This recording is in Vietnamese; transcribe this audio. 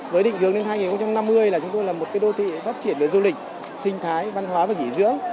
với định hướng đến hai nghìn năm mươi là chúng tôi là một đô thị phát triển về du lịch sinh thái văn hóa và nghỉ dưỡng